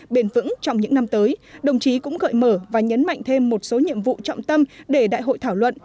bền vững trong những năm tới đồng chí cũng gợi mở và nhấn mạnh thêm một số nhiệm vụ trọng tâm để đại hội thảo luận